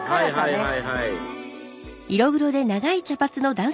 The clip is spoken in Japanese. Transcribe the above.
はいはいはいはい。